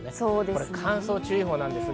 乾燥注意報です。